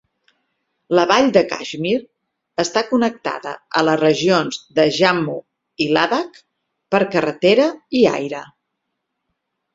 La vall de Kashmir està connectada a les regions de Jammu i Ladakh per carretera i aire.